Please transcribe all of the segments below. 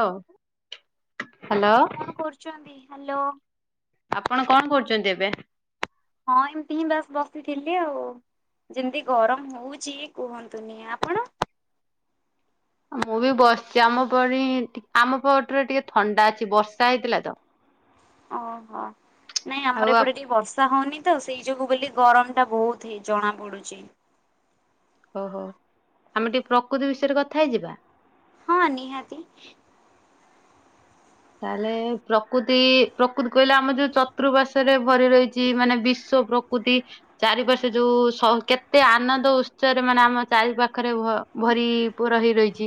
ଅଉ ଆଜ୍ଞା କଣ କରୁଚନ୍ତି? ହ୍ୟାଲୋ। ଆପଣ କଣ କରୁଚନ୍ତି ଏବେ? ହଁ ଏମିତି ହିଁ ବାସ ବସିଥିଲି ଆଉ। ଯେମିତି ଗରମ ହଉଛି କୁହନ୍ତୁନି। ଆପଣ? ମୁଁ ବି ବସିଛି ଆମ ପଣି ଆମ ପଟରେ ଟିକେ ଥଣ୍ଡା ଅଛି ବର୍ଷା ହେଇଥିଲା ତ। ଓହୋ ନାଇଁ ଆଉ ଆମର ଏପଟେ ଟିକେ ବର୍ଷା ହଉନି ତ ସେଇ ଯୋଗୁ ବୋଲି ଗରମ ଟା ବହୁତ ହେଇ ଜଣା ପଡୁଚି। ଓହୋ ଆମେ ଟିକେ ପ୍ରକୃତି ବିଷୟରେ କଥା ହେଇଯିବା। ହଁ ନିହାତି। ତାହେଲେ ପ୍ରକୃତି ପ୍ରକୃତି କହିଲେ ଆମର ଯୋଉ ଚତୁଃପାର୍ଶରେ ରେ ଭରି ରହିଛି ମାନେ ବିଶ୍ଵ ପ୍ର କୃତି ଚାରିପଶେ ଯୋଉ ସ କେତେ ଆନନ୍ଦ ଉତ୍ସରେ ମାନେ ଆମ ଚାରି ପାଖରେ ଭ ଭରି ପୁର ହେଇ ରହିଛି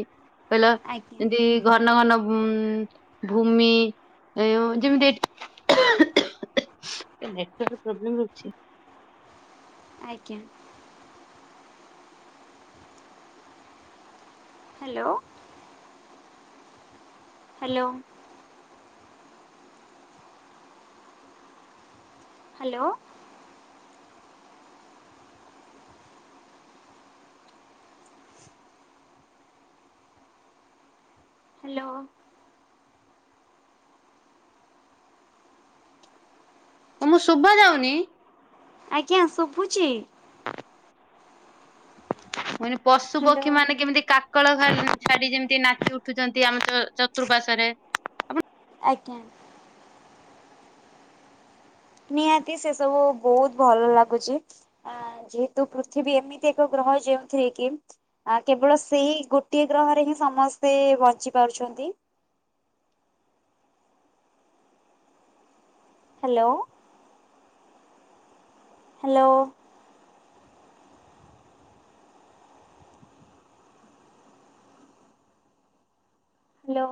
କହିଲ ଆଜ୍ଞା ଯେମିତି ଘନ ଘନ ଉମ ଭୂମି ଯେମିତି ଏଠି ଏଇ ନେଟୱର୍କ ପ୍ରୋବ୍ଲେମ ରହୁଛି। ଆଜ୍ଞା ହ୍ୟାଲୋ ହ୍ୟାଲୋ ହ୍ୟାଲୋ ହ୍ୟାଲୋ ତୁମ କୁ ଶୁଭା ଯାଉନି? ଆଜ୍ଞା ଶୁଭୁଛି। ମୁ ପଶୁ ହ୍ୟାଲୋ ପକ୍ଷୀ ମାନେ କେମିତି କା କାକଳ ଛାଡି ଯେମିତି ନାଚି ଉଠୁଛନ୍ତି ଆମ ଚ ଚତୁଃପାର୍ଶ୍ଵରେ ରେ। ଆଜ୍ଞା ନିହାତି ସେ ସବୁ ବହୁତ ଭଲ ଲାଗୁଛି। ଆ ଯେହେତୁ ପୃଥିବୀ ଏମିତି ଏକ ଗ୍ରହ ଯେଉଁଥିରେ କି ଆ କେବଳ ସେଇ ଗୋଟିଏ ଗ୍ରହରେ ହିଁ ସମସ୍ତେ ବଞ୍ଚି ପାରୁଛନ୍ତି। Hello hello hello